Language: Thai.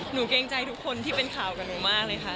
เกรงใจทุกคนที่เป็นข่าวกับหนูมากเลยค่ะ